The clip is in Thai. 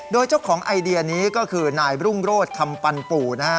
โดยเจ้าของไอเดียนี้ก็คือนายรุ่งโรธคำปันปู่นะฮะ